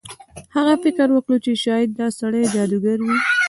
هغه فکر وکړ چې شاید دا سړی جادوګر وي.